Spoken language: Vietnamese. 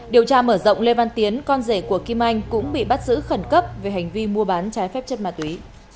điều tra mở rộng lê văn tiến con rể của kim anh cũng bị bắt giữ khẩn cấp về hành vi mua bán trái phép chất ma túy